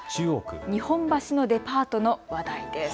日本橋のデパートの話題です。